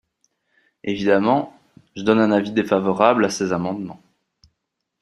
Évidemment, je donne un avis défavorable à ces amendements.